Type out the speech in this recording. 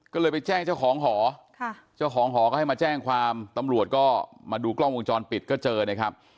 ก็เลยไปแจ้งเจ้าของหอเจ้าของหอก็ให้มาแจ้งความตำรวจก็มาดูกล้องวงจรปิดก็เจอนะครับ